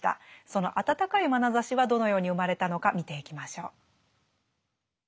その温かいまなざしはどのように生まれたのか見ていきましょう。